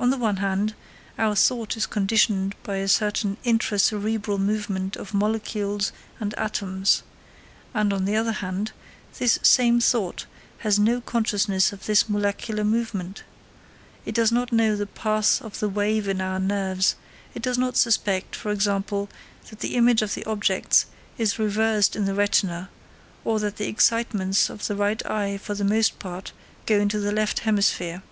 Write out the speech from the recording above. On the one hand, our thought is conditioned by a certain intra cerebral movement of molecules and atoms; and, on the other hand, this same thought has no consciousness of this molecular movement. It does not know the path of the wave in our nerves; it does not suspect, for example, that the image of the objects is reversed in the retina, or that the excitements of the right eye for the most part go into the left hemisphere.